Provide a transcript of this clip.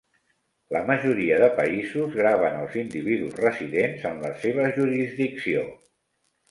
La majoria de països graven els individus residents en la seva jurisdicció.